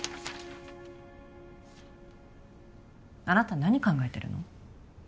あなた何考えてるの？